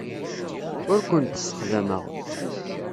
Ur kent-ssexdameɣ.